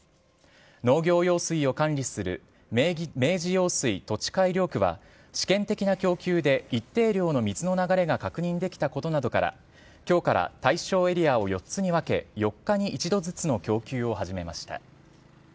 農業用水を管理する明治用水土地改良区は試験的な供給で一定量の水の流れが確認できたことなどから、きょうから対象エリアを４つに分け、４日に１度ずつの供給を始めました。